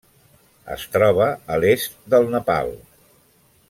Es troba a l'est del Nepal.